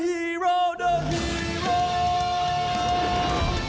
เผ็ดยะสูงนาบรันสรรคม